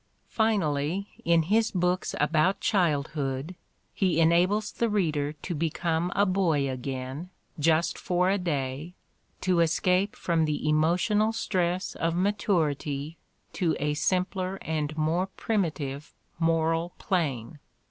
Finally, in his books about childhood, he enables the reader to become "a boy again, just for a day," to escape from the emotional stress of maturity to a simpler and more primitive moral plane.